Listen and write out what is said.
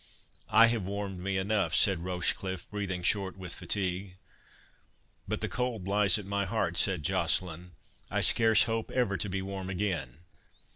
"I have warmed me enough," said Rochecliffe, breathing short with fatigue. "But the cold lies at my heart," said Joceline; "I scarce hope ever to be warm again.